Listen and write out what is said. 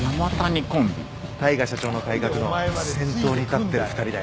大海社長の改革の先頭に立ってる２人だよ。